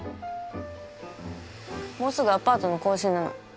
もうすぐアパートの更新なの。